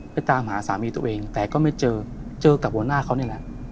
ไปตามหาสามีตัวเองแต่ก็ไม่เจอเจอกับหัวหน้าเขานี่แหละ